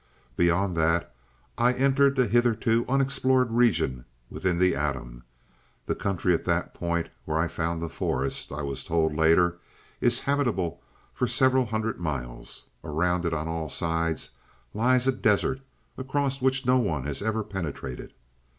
"Beyond that I entered the hitherto unexplored regions within the atom. The country at that point where I found the forest, I was told later, is habitable for several hundred miles. Around it on all sides lies a desert, across which no one has ever penetrated.